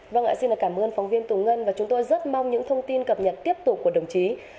vâng ạ xin cảm ơn phóng viên tù ngân và chúng tôi rất mong những thông tin cập nhật tiếp tục của đồng chí